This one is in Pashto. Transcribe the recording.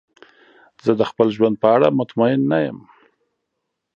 زه د خپل ژوند په اړه مطمئن نه یم.